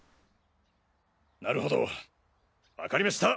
なるほどわかりました！